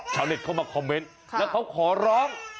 ชาวเม็ดเข้ามาคอมเมนต์แล้วเขาขอร้อง